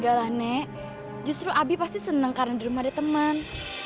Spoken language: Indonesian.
gak nek justru abi pasti senang karena di rumah ada teman